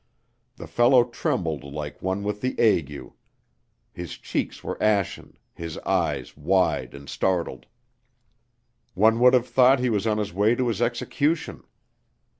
The fellow trembled like one with the ague; his cheeks were ashen, his eyes wide and startled. One would have thought he was on his way to his execution.